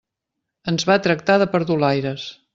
Ens va tractar de perdulaires.